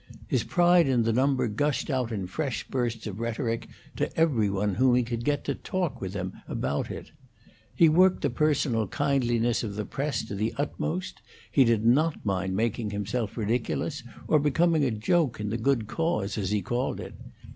His pride in the number gushed out in fresh bursts of rhetoric to every one whom he could get to talk with him about it. He worked the personal kindliness of the press to the utmost. He did not mind making himself ridiculous or becoming a joke in the good cause, as he called it.